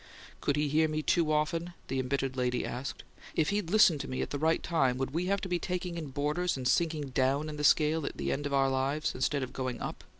"Could he hear me too often?" the embittered lady asked. "If he'd listened to me at the right time, would we have to be taking in boarders and sinking DOWN in the scale at the end of our lives, instead of going UP?